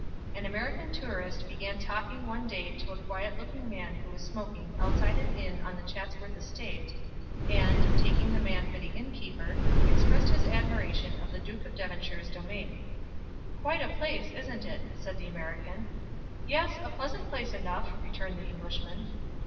An American tourist began talking one day to a quiet looking man who was smoking outside an inn on the Chatsworth estate, and, taking the man for the inn keeper, expressed his admiration of the Duke of Devonshire's domain. "Quite a place, isn't it?" said the American. "Yes, a pleasant place enough," returned the Englishman.